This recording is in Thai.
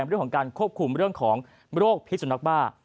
เรื่องของการควบคุมเรื่องของโรคพิษสุนักบ้า